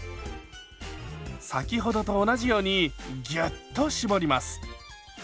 先ほどと同じようにギュッと絞ります。